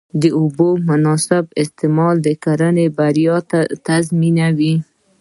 د اوبو مناسب استعمال د کرنې بریا تضمینوي.